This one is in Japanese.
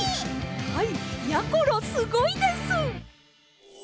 はいやころすごいです！